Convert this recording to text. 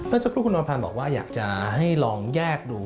แล้วสักครู่คุณอภัณฑ์บอกว่าอยากจะให้ลองแยกดู